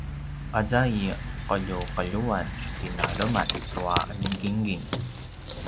aza i qeljuqeljuan tinaleman tua gingin